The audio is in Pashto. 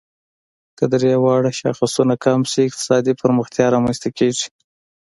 که درې واړه شاخصونه کم شي، اقتصادي پرمختیا رامنځ ته کیږي.